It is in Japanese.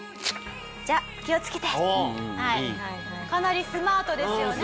かなりスマートですよね。